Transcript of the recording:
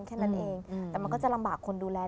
แต่มันก็จะลำบากคนดูแล